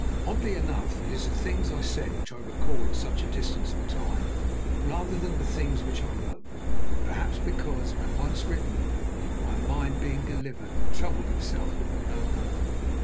Oddly enough, it is the things I said which I recall at such a distance of time rather than the things which I wrote, perhaps because, when once written, my mind being delivered, troubled itself with them no more.